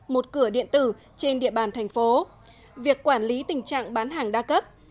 một cửa điện tử trên địa bàn thành phố việc quản lý tình trạng bán hàng đa cấp